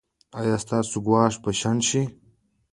ایا ستاسو ګواښ به شنډ شي؟